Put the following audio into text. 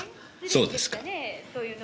そうですか。